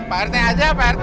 pak rt aja pak rt